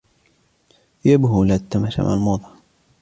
ثيابه لا تتماشى مع الموضة.